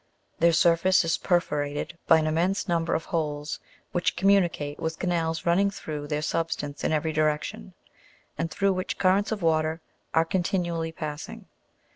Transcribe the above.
Their surface is per forated by an immense number of holes which communicate with canals running through their substance in every direction, and through which currents of water are continually passing (fg.